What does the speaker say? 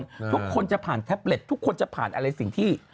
ทุกคนจะผ่านแท็บเล็ตทุกคนจะผ่านอะไรสิ่งที่